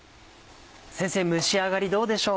先生蒸し上がりどうでしょう。